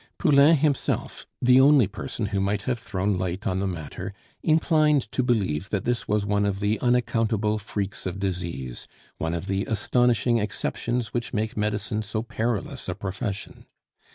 Poulain himself, the only person who might have thrown light on the matter, inclined to believe that this was one of the unaccountable freaks of disease, one of the astonishing exceptions which make medicine so perilous a profession.